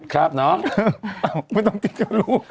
เอาไม่ต้องจริงจะรู้